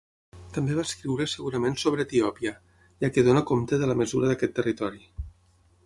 També va escriure segurament sobre Etiòpia, ja que dóna compte de la mesura d'aquest territori.